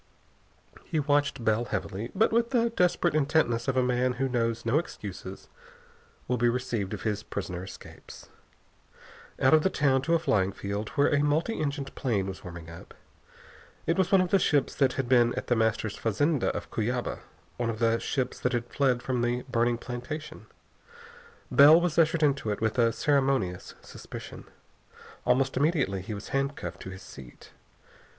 He watched Bell heavily, but with the desperate intentness of a man who knows no excuses will be received if his prisoner escapes. Out of the town to a flying field, where a multi engined plane was warming up. It was one of the ships that had been at The Master's fazenda of Cuyaba, one of the ships that had fled from the burning plantation. Bell was ushered into it with a ceremonious suspicion. Almost immediately he was handcuffed to his seat.